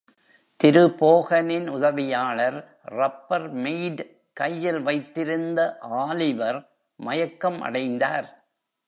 திரு. போகனின் உதவியாளர் ரப்பர்மெய்ட் கையில் வைத்திருந்த ஆலிவர் மயக்கம் அடைந்தார்.